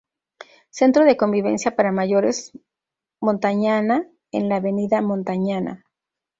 Centro de Convivencia para Mayores Montañana en la avenida Montañana.